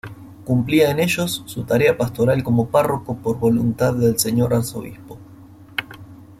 Cumplía en ellos, su tarea pastoral como párroco por voluntad del señor Arzobispo.